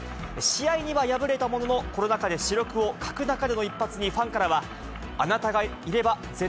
試合には敗れたものの、コロナ禍で主力を欠く中の一発に、ファンからは、あなたがいれば絶